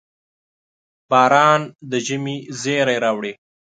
• باران د ژمي زېری راوړي.